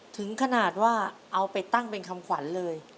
ถึงขนาดว่าเอาไปตั้งเป็นคำขวัญเลย